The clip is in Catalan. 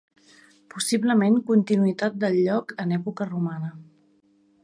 Possiblement continuïtat del lloc en època romana.